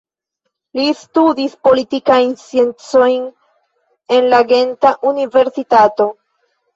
Li studis politikajn sciencojn en la Genta Universitato.